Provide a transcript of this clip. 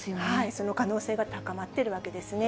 その可能性が高まってるわけですね。